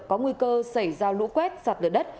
có nguy cơ xảy ra lũ quét sạt lửa đất